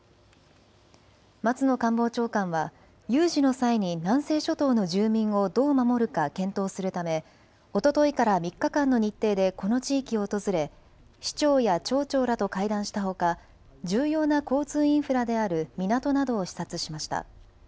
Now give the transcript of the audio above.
松野官房長官は有事の際に南西諸島の住民をどう守るか検討するため、おとといから３日間の日程でこの地域を訪れ市長や町長らと会談したほか重要な交通インフラである港などを視察しました。